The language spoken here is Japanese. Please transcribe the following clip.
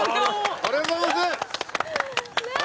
ありがとうございます。